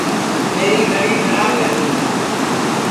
میری گھڑی کھراب ہے